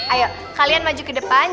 ayo kalian maju ke depan